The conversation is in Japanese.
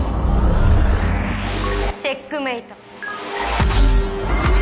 チェックメイト。